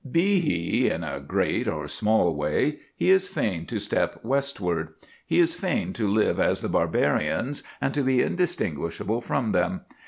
Be he in a great or small way, he is fain to step westward; he is fain to live as the Barbarians and to be undistinguishable from them.